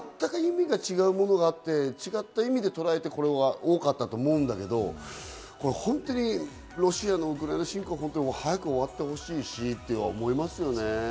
全く意味の違うものがあって、違った意味でとらえて多かったと思うんだけど、ロシアのウクライナ侵攻は早く終わってほしいしと思いますよね。